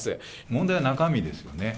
問題は中身ですよね。